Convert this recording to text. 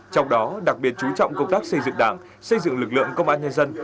trong đó đặc biệt chú trọng công tác xây dựng đảng xây dựng lực lượng công an nhân dân